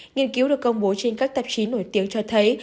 nghiên cứu được công bố trên các tạp chí nổi tiếng cho thấy